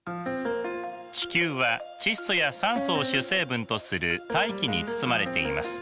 地球は窒素や酸素を主成分とする大気に包まれています。